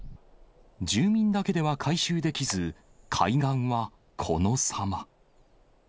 住民だけでは回収できず、海岸はこのさま。